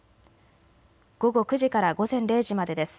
午後９時から午前０時までです。